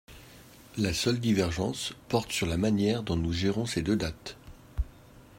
La seule divergence porte sur la manière dont nous gérons ces deux dates.